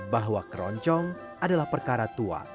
bahwa keroncong adalah perkara tua